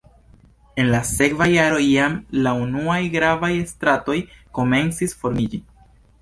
En la sekva jaro jam la unuaj gravaj stratoj komencis formiĝi.